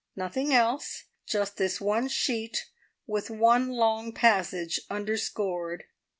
Nothing else, just this one sheet, with one long passage underscored.